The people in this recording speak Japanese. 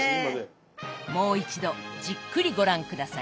もう一度じっくりご覧下さい。